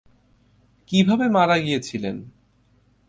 কীভাবে মারা গিয়েছিলেন?